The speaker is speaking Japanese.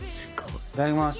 いただきます！